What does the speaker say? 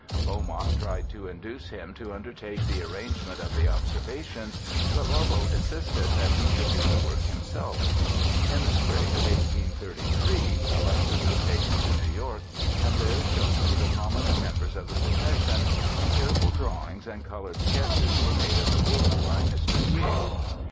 Beaumont tried to induce him to undertake the arrangement of the observations, but Lovell insisted that he should do the work himself. In the spring of 1833 Alexis was taken to New York, and there shown to the prominent members of the profession, and careful drawings and coloured sketches were made of the wound by Mr. King.